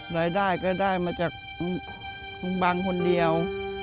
รายได้ก็ได้มาจากบางคนเดียว